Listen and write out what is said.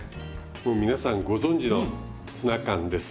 もう皆さんご存知のツナ缶です。